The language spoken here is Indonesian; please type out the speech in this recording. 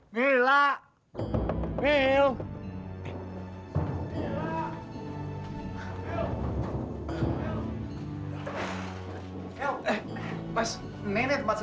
kalahkan diri saya